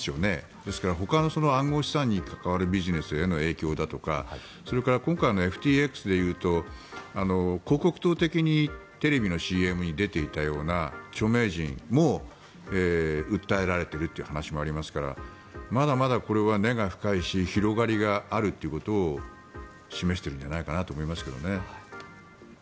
ですからほかの暗号資産に関わるビジネスへの影響だとかそれから、今回のＦＴＸでいうと広告塔的にテレビのＣＭに出ていたような著名人も訴えられているという話もありますからまだまだ、これは根が深いし広がりがあるということを示しているんじゃないかと思いますけどね。